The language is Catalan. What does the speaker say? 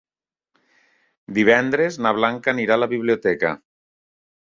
Divendres na Blanca anirà a la biblioteca.